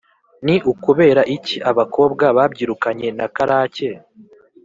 ni ukubera iki abakobwa babyirukanye na karake